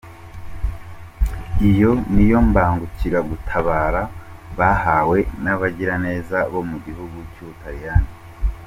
Iyo niyo mbangukira gutabara bahawe n’abagiraneza bo mu gihugu cy’ubutariyani.